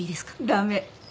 駄目。